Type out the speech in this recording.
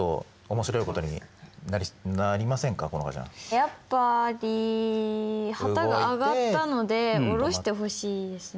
やっぱり旗が上がったので下ろしてほしいですね。